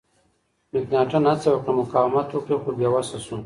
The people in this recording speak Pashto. مکناتن هڅه وکړه مقاومت وکړي خو بې وسه شو.